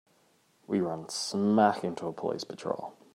We run smack into a police patrol.